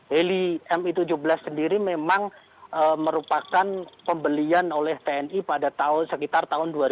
heli mi tujuh belas sendiri memang merupakan pembelian oleh tni pada tahun sekitar